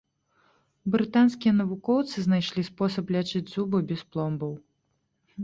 Брытанскія навукоўцы знайшлі спосаб лячыць зубы без пломбаў.